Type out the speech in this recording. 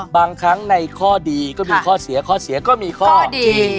บางครั้งในข้อดีก็มีข้อเสียข้อเสียก็มีข้อจริง